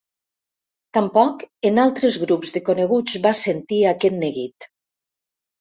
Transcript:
Tampoc en altres grups de coneguts va sentir aquest neguit.